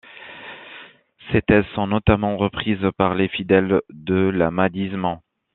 Ces thèses sont notamment reprises par les fidèles de l'ahmadisme.